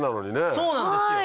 そうなんですよ。